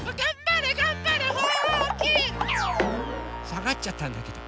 さがっちゃったんだけど。